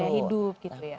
hidup gitu ya